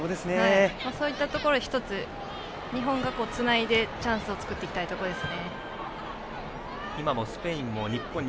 そういったところは１つ、日本はつないでチャンスを作っていきたいところです。